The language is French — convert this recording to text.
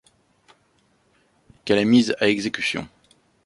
qu’elle est mise à exécution.